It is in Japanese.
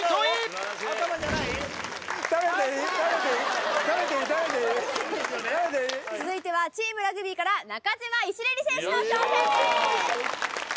・素晴らしい・続いてはチームラグビーから中島イシレリ選手の挑戦です。